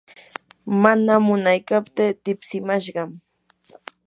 mana munaykaptii tipsimashqam.